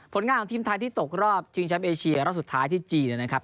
งานของทีมไทยที่ตกรอบชิงแชมป์เอเชียรอบสุดท้ายที่จีนนะครับ